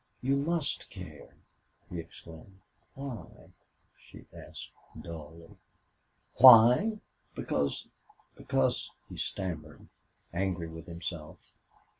"You MUST care!" he exclaimed. "Why?" she asked, dully. "Why!... Because because " he stammered, angry with himself.